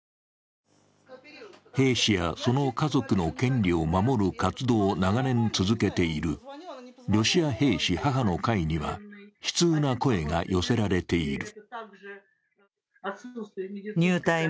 兵士やその家族の権利を守る活動を長年続けているロシア兵士母の会には悲痛な声が寄せられている。